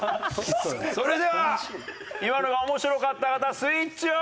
それでは今のが面白かった方スイッチオン！